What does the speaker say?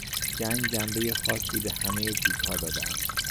جنگ جنبهی خاصی به همهی چیزها داده است.